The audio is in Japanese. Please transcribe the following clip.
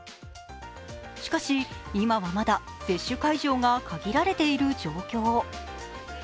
しかし今はまだ接種会場が限られている状況。